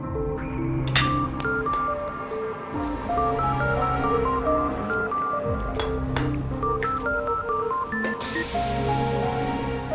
aku harus tenang